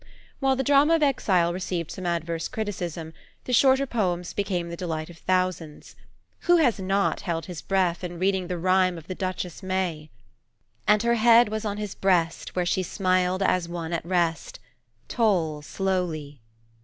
While the Drama of Exile received some adverse criticism, the shorter poems became the delight of thousands. Who has not held his breath in reading the Rhyme of the Duchess May? "And her head was on his breast, where she smiled as one at rest, Toll slowly.